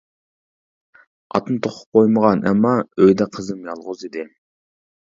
-ئاتنى توقۇپ قويمىغان، ئەمما ئۆيدە قىزىم يالغۇز ئىدى.